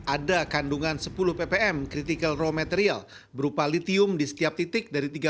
ada kandungan sepuluh ppm critical raw material berupa litium di setiap titik dari tiga